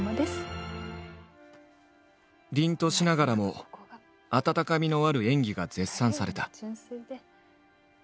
凛としながらも温かみのある演技が絶賛された。